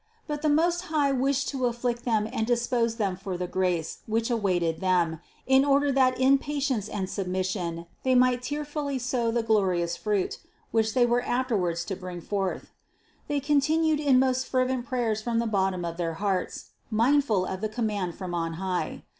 But the Most High wished to afflict them and dispose them for the grace which awaited them, in THE CONCEPTION 147 order that in patience and submission they might tear fully sow the glorious Fruit, which they were afterwards to bring forth. They continued in most fervent prayers from the bottom of their hearts, mindful of the com mand from on high.